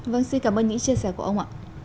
vâng xin cảm ơn những chia sẻ của ông